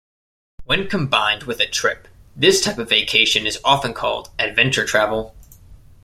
When combined with a trip, this type of vacation is often called adventure travel.